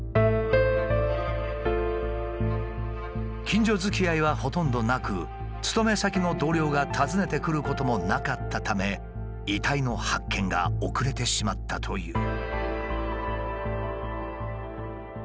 近所づきあいはほとんどなく勤め先の同僚が訪ねてくることもなかったため遺体の発見が遅れてしまったという。